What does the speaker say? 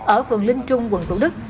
ở vườn linh trung quận thủ đức